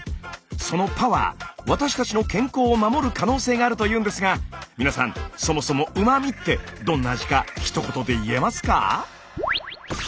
そのパワー私たちの健康を守る可能性があるというんですが皆さんそもそも「うま味」ってどんな味かひと言で言えますか？